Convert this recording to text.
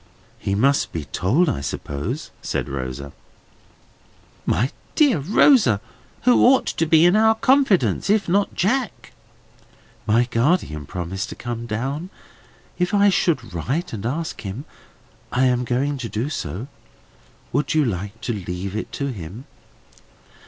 "He must be told, I suppose?" said Rosa. "My dear Rosa! who ought to be in our confidence, if not Jack?" "My guardian promised to come down, if I should write and ask him. I am going to do so. Would you like to leave it to him?"